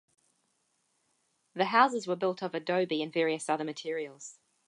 The houses were built of adobe and various other materials.